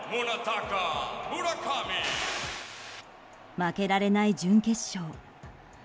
負けられない準決勝。